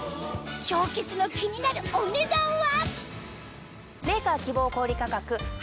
氷結の気になるお値段は？